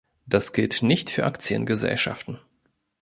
Das gilt nicht für Aktiengesellschaften.